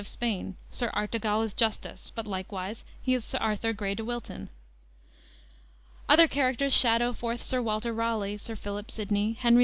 of Spain. Sir Artegal is Justice, but likewise he is Arthur Grey de Wilton. Other characters shadow forth Sir Walter Raleigh, Sir Philip Sidney, Henry IV.